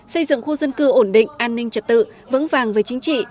xây dựng khu dân cư ổn định an ninh trật tự vững vàng về chính trị